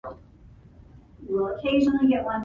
There is a call tree and inheritance-browser.